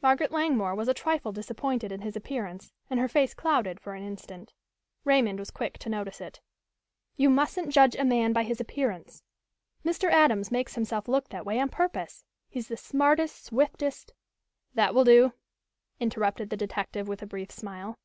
Margaret Langmore was a trifle disappointed in his appearance and her face clouded for an instant. Raymond was quick to notice it. "You mustn't judge a man by his appearance. Mr. Adams makes himself look that way on purpose. He's the smartest, swiftest " "That will do," interrupted the detective with a brief smile.